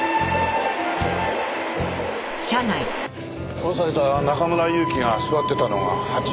殺された中村祐樹が座ってたのが８−Ｃ。